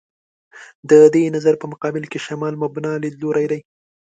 د دې نظر په مقابل کې «شمال مبنا» لیدلوری دی.